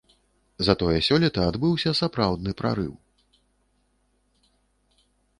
Затое сёлета адбыўся сапраўдны прарыў.